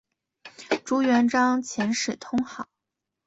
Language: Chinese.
朱元璋遣使通好。